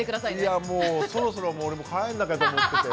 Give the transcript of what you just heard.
いやもうそろそろ俺も帰んなきゃと思ってて。